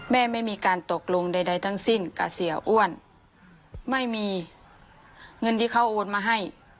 ไม่มีการตกลงใดทั้งสิ้นกับเสียอ้วนไม่มีเงินที่เขาโอนมาให้